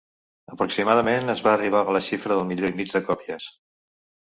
Aproximadament es va arribar a la xifra del milió i mig de còpies.